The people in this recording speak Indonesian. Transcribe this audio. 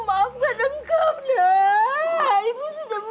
ya allah ya allah ya allah